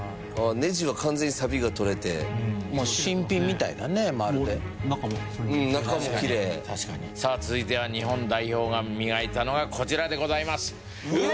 ネジは完全にサビが取れてもう新品みたいだねまるでもう中もうん中もきれいさあ続いては日本代表が磨いたのがこちらでございますうわ！